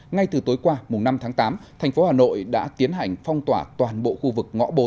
ngay từ tối qua năm tháng tám thành phố hà nội đã tiến hành phong tỏa toàn bộ khu vực ngõ bốn